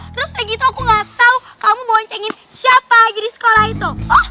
terus kayak gitu aku gak tau kamu boncengin siapa aja di sekolah itu